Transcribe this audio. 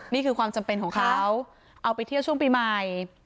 นี่คือความจำเป็นของเขาเอาไปเที่ยวช่วงปีใหม่